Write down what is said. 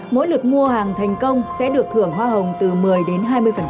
mỗi lượt mua hàng thành công sẽ được thưởng hoa hồng từ một mươi đến hai mươi